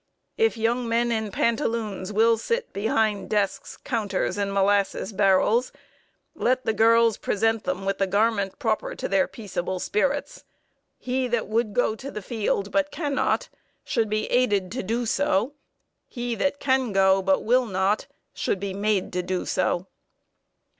If young men in pantaloons will sit behind desks, counters, and molasses barrels, let the girls present them with the garment proper to their peaceable spirits. He that would go to the field, but cannot, should be aided to do so; he that can go, but will not, should be made to do so."